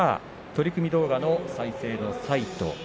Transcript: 取組動画の再生サイト